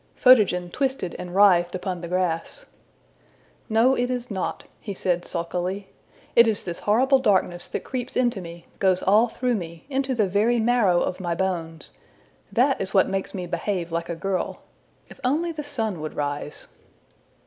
'' Photogen twisted and writhed upon the grass. ``No, it is not,'' he said sulkily; ``it is this horrible darkness that creeps into me, goes all through me, into the very marrow of my bones that is what makes me behave like a girl. If only the sun would rise!''